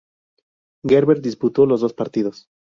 Gerber disputó los dos partidos.